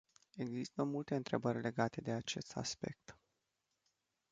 Există multe întrebări legate de acest aspect.